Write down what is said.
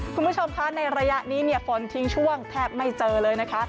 คุณผู้ชมคะในระยะนี้เนี่ยฝนทิ้งช่วงแทบไม่เจอเลยนะคะ